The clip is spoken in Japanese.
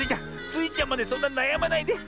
スイちゃんまでそんななやまないで。